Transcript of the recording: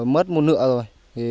mất một nửa rồi